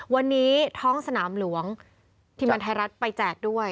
วันนี้ท้องสนามหลวงทีมงานไทยรัฐไปแจกด้วย